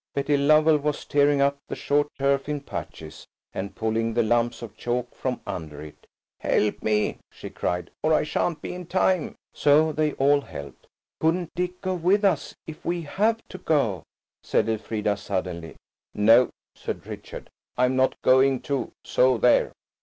Betty Lovell was tearing up the short turf in patches, and pulling the lumps of chalk from under it. "Help me," she cried, "or I shan't be in time!" So they all helped. "Couldn't Dick go with us–if we have to go?" said Elfrida suddenly. "No," said Richard, "I'm not going to–so there!"